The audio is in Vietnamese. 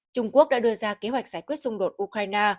trung quốc đã đưa ra kế hoạch giải quyết xung đột ukraine